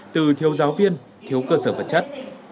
từ thiếu giáo viên thiếu cơ sở vật chất